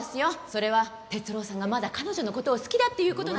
それは哲郎さんがまだ彼女の事を好きだって。